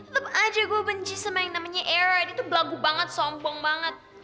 tepat aja gua benci sama yang namanya era dia tuh belagu banget sombong banget